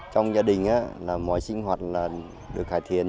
trong gia đình mọi sinh hoạt được cải thiện